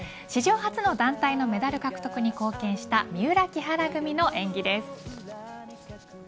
史上初の団体メダル獲得に貢献した三浦・木原組の演技です。